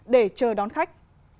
để chờ đón khách